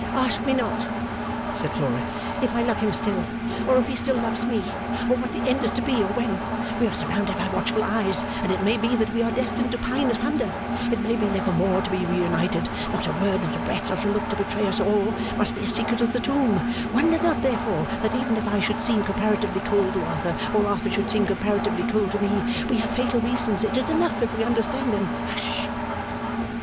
'Ask me not,' said Flora, 'if I love him still or if he still loves me or what the end is to be or when, we are surrounded by watchful eyes and it may be that we are destined to pine asunder it may be never more to be reunited not a word not a breath not a look to betray us all must be secret as the tomb wonder not therefore that even if I should seem comparatively cold to Arthur or Arthur should seem comparatively cold to me we have fatal reasons it is enough if we understand them hush!